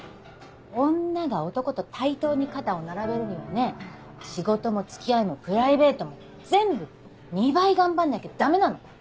女が男と対等に肩を並べるにはね仕事も付き合いもプライベートも全部２倍頑張んなきゃダメなの！